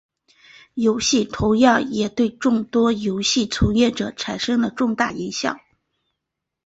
游戏同样也对众多游戏从业者产生了巨大影响。